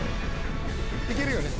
いけるよね？